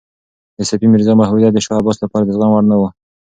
د صفي میرزا محبوبیت د شاه عباس لپاره د زغم وړ نه و.